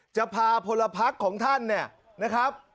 จะพาพลพักของท่านเนี่ยนะครับ